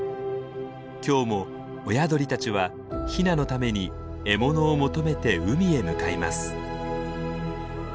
今日も親鳥たちはヒナのために獲物を求めて海へ向かいます。